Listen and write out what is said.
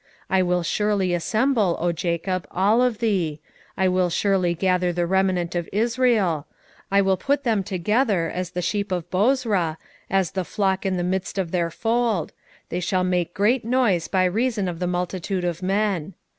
2:12 I will surely assemble, O Jacob, all of thee; I will surely gather the remnant of Israel; I will put them together as the sheep of Bozrah, as the flock in the midst of their fold: they shall make great noise by reason of the multitude of men.